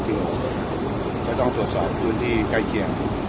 คือก็ต้องตรวจสอบพื้นที่ใกล้เคียง